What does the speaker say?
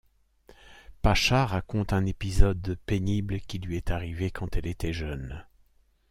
Pacha raconte un épisode pénible qui lui est arrivé quand elle était jeune.